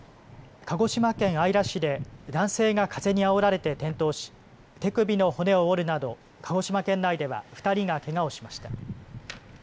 鹿児島県姶良市で男性が風にあおられて転倒し手首の骨を折るなど鹿児島県内では２人がけがをしました。